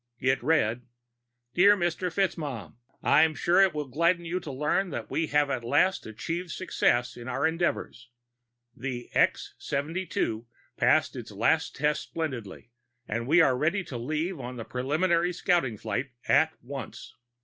It read: My dear Mr. FitzMaugham: _I'm sure it will gladden you to learn that we have at last achieved success in our endeavors. The X 72 passed its last tests splendidly, and we are ready to leave on the preliminary scouting flight at once.